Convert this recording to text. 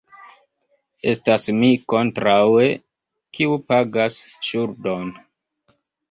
Estas mi kontraŭe, kiu pagas ŝuldon.